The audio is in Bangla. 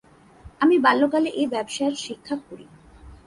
আমি বাল্যকালে এই ব্যবসায় শিক্ষা করি।